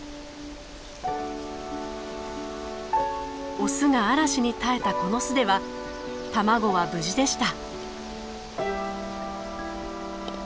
オスが嵐に耐えたこの巣では卵は無事でした。